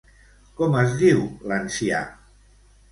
Com es diu l'ancià?